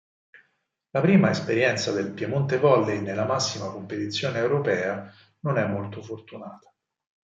La prima esperienza del Piemonte Volley nella massima competizione europea non è molto fortunata.